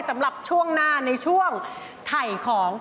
สำหรับช่วงหน้าในช่วงถ่ายของ